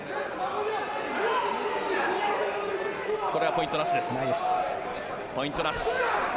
これはポイントなしです。